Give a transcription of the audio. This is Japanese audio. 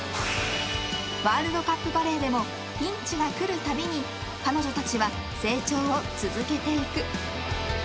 ［ワールドカップバレーでもピンチが来るたびに彼女たちは成長を続けていく］